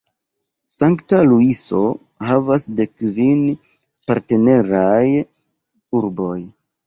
Sankta Luiso havas dek kvin partneraj urboj.